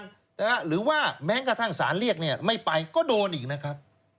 หรือว่าแม้กระทั่งสารเรียกเนี่ยไม่ไปก็โดนอีกนะครับ